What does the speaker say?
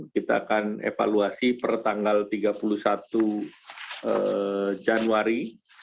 kita akan evaluasi per tanggal tiga puluh satu januari